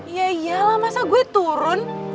ya iyalah masa gue turun